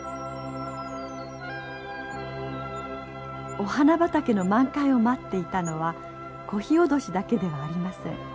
お花畑の満開を待っていたのはコヒオドシだけではありません。